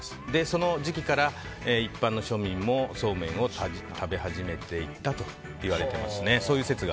その時期から一般の庶民も素麺を食べ始めていったといわれています。